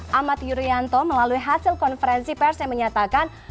ahmad yuryanto melalui hasil konferensi pers yang menyatakan